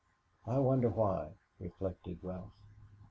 "I wonder why," reflected Ralph.